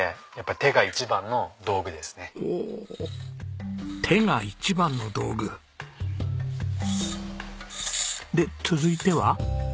手が一番の道具。で続いては？